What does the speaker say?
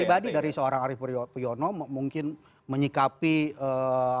pribadi dari seorang arief puyono mungkin menyikapi apa namanya